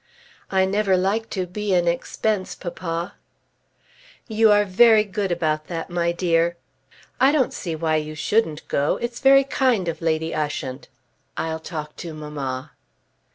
"I never like to be an expense, papa." "You are very good about that, my dear. I don't see why you shouldn't go. It's very kind of Lady Ushant. I'll talk to mamma."